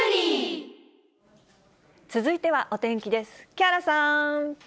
続いてはお天気です。